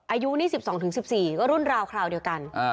อายุนี่๑๒๑๔ก็รุ่นราวคราวเดียวกัน